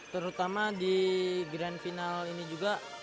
terutama di grand final ini juga